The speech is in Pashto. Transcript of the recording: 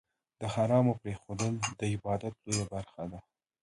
د حرامو پرېښودل، د عبادت لویه برخه ده.